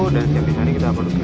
dan setiap desain kita produksi lagi